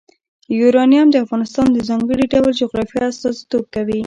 یورانیم د افغانستان د ځانګړي ډول جغرافیه استازیتوب کوي.